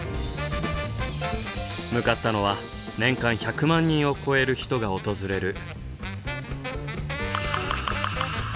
向かったのは年間１００万人を超える人が訪れる。